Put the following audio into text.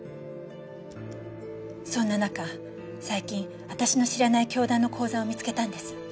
そんな中最近私の知らない教団の口座を見つけたんです。